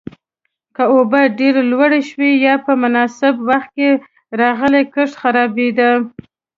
که اوبه ډېره لوړې شوې یا په نامناسب وخت کې راغلې، کښت خرابېده.